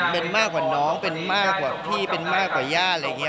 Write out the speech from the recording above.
เป็นมากกว่าน้องเป็นมากกว่าพี่เป็นมากกว่าญาติอะไรอย่างนี้